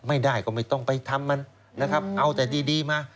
ไม่ได้ก็ไม่ต้องไปทำมันนะครับเอาแต่ดีมา